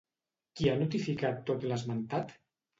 Qui ha notificat tot l'esmentat?